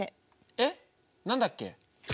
えっ何だっけ？